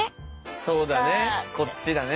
そうだねこっちだね。